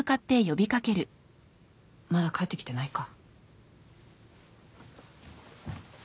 まだ帰ってきてないか。